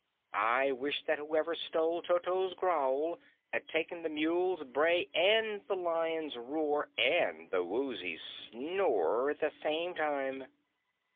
I wish that whoever stole Toto's growl had taken the Mule's bray and the Lion's roar and the Woozy's snore at the same time."